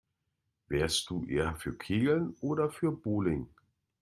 Wärst du eher für Kegeln oder für Bowling?